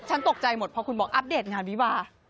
ตกใจหมดเพราะคุณบอกอัปเดตงานวิวา